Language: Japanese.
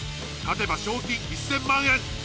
勝てば賞金１０００万円。